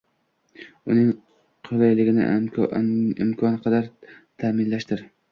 Uning qulayligini imkon qadar ta’minlashdir.